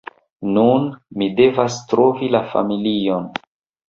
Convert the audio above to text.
Nun, mi devas trovi la familion